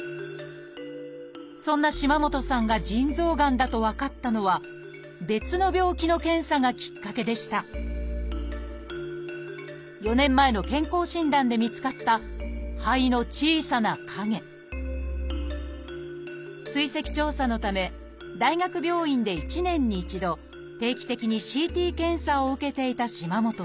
そんな島本さんが腎臓がんだと分かったのは別の病気の検査がきっかけでした４年前の健康診断で見つかった肺の小さな影追跡調査のため大学病院で１年に１度定期的にＣＴ検査を受けていた島本さん。